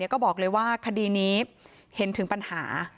ก็บอกเลยว่าคดีนี้เห็นถึงปัญหา